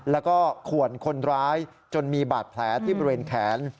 แล้วก็ขวนคนร้ายจนมีบาดแผลที่บริเวณแขน